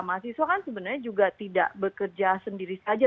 mahasiswa kan sebenarnya juga tidak bekerja sendiri saja